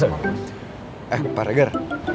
eh pak regar